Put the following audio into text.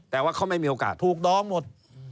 แต่ว่าเขาไม่มีโอกาสถูกดองหมด